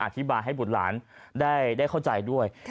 อธิบายให้บุตรหลานได้เข้าใจด้วย